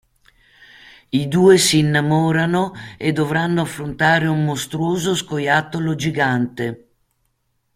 I due si innamorano e dovranno affrontare un mostruoso scoiattolo gigante.